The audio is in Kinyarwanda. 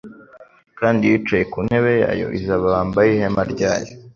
Kandi Iyicaye ku ntebe izababambaho ihema ryayo.